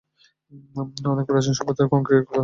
অনেক প্রাচীন সভ্যতায় কংক্রিট ব্যবহার করা হয়েছে।